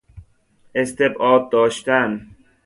استبعاد داشتن